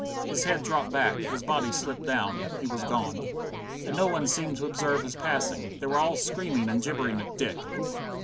His head dropped back, his body slipped down; he was gone. And no one seemed to observe his passing. They were all screaming and gibbering at Dick.